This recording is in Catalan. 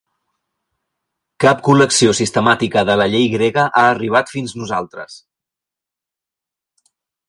Cap col·lecció sistemàtica de la llei grega ha arribat fins nosaltres.